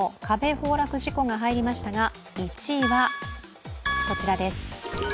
崩落事故が入りましたが１位はこちらです。